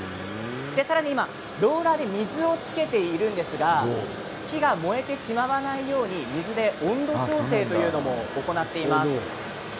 さらにローラーで水をつけているんですが木が燃えてしまわないように水で温度調整というのも行っています。